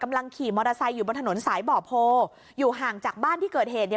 ขี่มอเตอร์ไซค์อยู่บนถนนสายบ่อโพอยู่ห่างจากบ้านที่เกิดเหตุเนี่ย